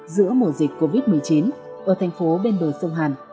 giữa mùa dịch covid một mươi chín ở thành phố bên bờ sông hàn